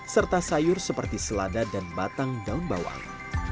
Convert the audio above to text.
serta sayur seperti selada dan batang daun bawang